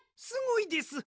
すごいです！